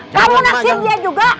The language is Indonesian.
kamu naksin dia juga